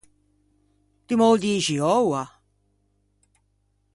Ti m’ô dixi oua?